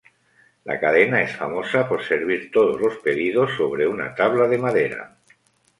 La cadena es famosa por servir todos los pedidos sobre una tabla de madera.